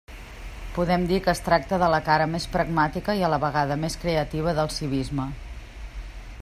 Podem dir que es tracta de la cara més pragmàtica i a la vegada més creativa del civisme.